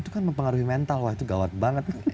itu kan mempengaruhi mental wah itu gawat banget